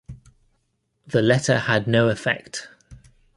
The letter had no effect.